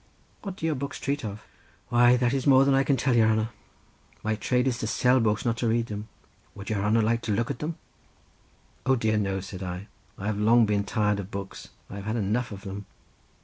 "What do your books treat of?" "Why that is more than I can tell your hanner; my trade is to sell the books not to read them. Would your hanner like to look at them?" "O dear no," said I; "I have long been tired of books; I have had enough of them."